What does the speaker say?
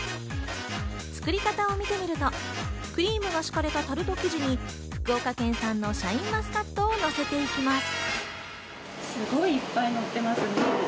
作り方を見てみるとクリームが敷かれたタルト生地に、福岡県産のシャインマスカットをのせていきます。